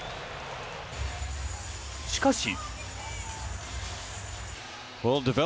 しかし。